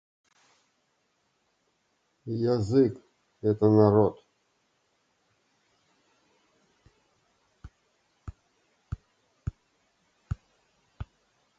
Я стал смотреть на продолжение ужасной комедии.